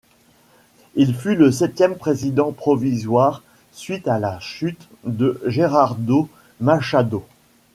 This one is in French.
Il fut le septième président provisoire suite à la chute de Gerardo Machado.